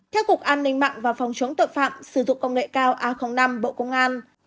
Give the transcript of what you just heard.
theo cục an ninh mạng và phòng chống tội phạm sử dụng công nghệ cao a năm bộ công an